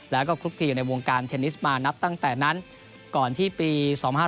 แล้วก็คลุกคลีอยู่ในวงการเทนนิสมานับตั้งแต่นั้นก่อนที่ปี๒๕๕๙